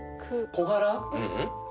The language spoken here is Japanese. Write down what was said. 小柄。